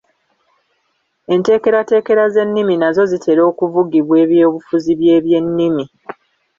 Enteekerateekera z’ennimi nazo zitera okuvugibwa eby’obufuzi by’ebyennimi